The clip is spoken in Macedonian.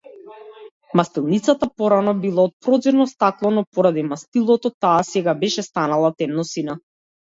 Мастилницата порано била од проѕирно стакло, но поради мастилото таа сега беше станала темносина.